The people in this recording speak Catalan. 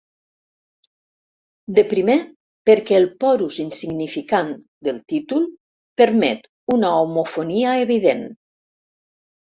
De primer, perquè el "porus insignificant" del títol permet una homofonia evident.